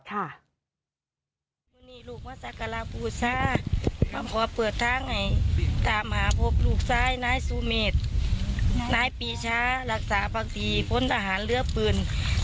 ก็ได้ทำพิธีที่พวกเขาคิดว่าจะสามารถช่วยให้ลูกหลานของเขากลับมาอย่างปลอดภัยครับ